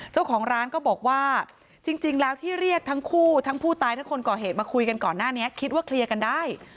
เจ้าของร้านก็บอกว่าจริงแล้วที่เรียกทั้งคู่ทั้งผู้ตายทั้งคนก่อเหตุมาคุยกันก่อนหน้านี้คิดว่าเคลียร์กันได้